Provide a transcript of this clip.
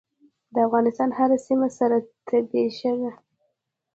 د افغانستان هره سیمه سره تبۍ شوه.